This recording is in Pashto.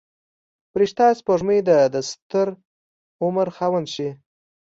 فرشته سپوږمۍ د دستر عمر خاونده شي.